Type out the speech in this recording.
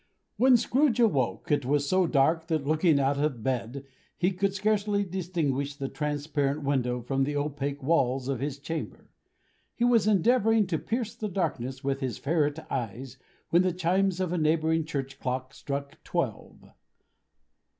When Scrooge awoke, it was so dark, that, looking out of bed, he could scarcely distinguish the transparent window from the opaque walls of his chamber. He was endeavoring to pierce the darkness with his ferret eyes, when the chimes of a neighboring church clock struck twelve.